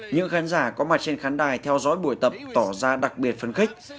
những khán giả có mặt trên khán đài theo dõi buổi tập tỏ ra đặc biệt phấn khích